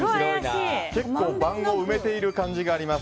結構、盤を埋めている感じがあります。